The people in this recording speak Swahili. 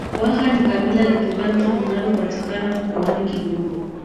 Waha ni kabila la Kibantu linalopatikana Mkoani Kigoma